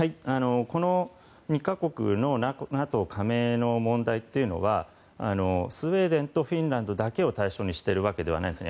この２か国のＮＡＴＯ加盟の問題というのはスウェーデンとフィンランドだけを対象にしているわけではないんです。